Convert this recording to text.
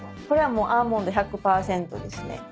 これはもうアーモンド１００％ですね。